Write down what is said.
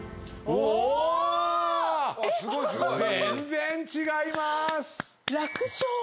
全然違います！